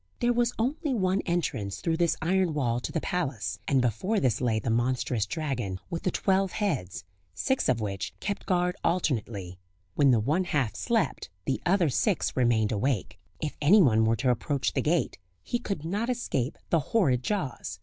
There was only one entrance through this iron wall to the palace, and before this lay the monstrous dragon with the twelve heads, six of which kept guard alternately; when the one half slept the other six remained awake. If anyone were to approach the gate he could not escape the horrid jaws.